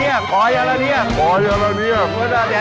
ที่จะเป็นความสุขของชาวบ้าน